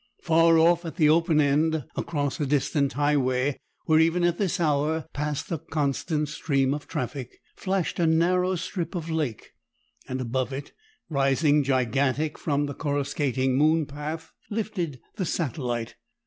Far off at the open end, across a distant highway where even at this hour passed a constant stream of traffic, flashed a narrow strip of lake; and above it, rising gigantic from the coruscating moon path, lifted the satellite.